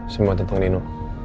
semua tentang nino